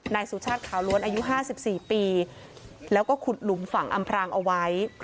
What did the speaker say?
นายสุชาติขาวล้วนอายุ๕๔ปีแล้วก็ขุดหลุมฝั่งอำพรางเอาไว้